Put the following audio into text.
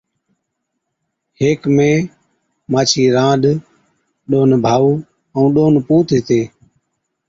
هيڪ مين مانڇِي رانڏ، ڏون ڀائُو، ائُون ڏون پُوت هِتي۔